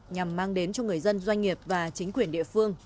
nhằm mang đến cho người dân doanh nghiệp và chính quyền địa phương